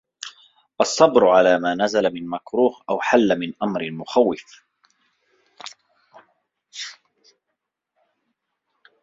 الصَّبْرُ عَلَى مَا نَزَلَ مِنْ مَكْرُوهٍ أَوْ حَلَّ مِنْ أَمْرٍ مَخُوفٍ